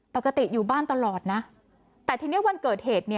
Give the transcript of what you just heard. ปกติอยู่บ้านตลอดนะแต่ทีนี้วันเกิดเหตุ